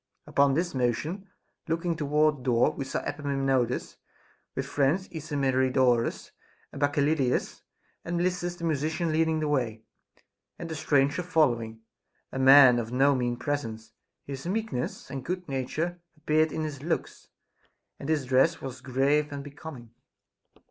Upon this motion, looking toward the door, we saw Epaminondas with his friends Ismenidorus and Bacchyliclas and Melissus the musician leading the way, and the stranger following, a man of no mean presence ; his meekness and good nature appeared in his looks, and his dress was grave and becoming.